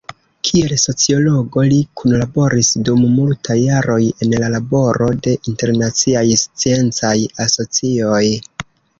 Kiel sociologo, li kunlaboris dum multaj jaroj en la laboro de internaciaj sciencaj asocioj.